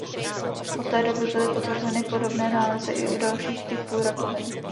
Od té doby byly potvrzeny podobné nálezy i u dalších typů rakoviny.